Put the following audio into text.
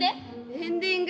エンディングか。